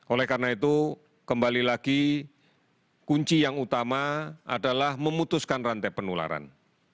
oleh karena itu kembali lagi kunci yang utama adalah memutuskan rantai penularan